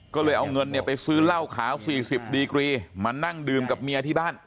ก็เลยเอาเงินเนี่ยไปซื้อเหล้าขาว๔๐ดีกรีมานั่งดื่มกับเมียที่บ้าน